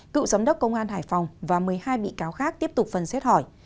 cựu giám đốc công an hải phòng và một mươi hai bị cáo khác tiếp tục phần xét hỏi